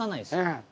うん。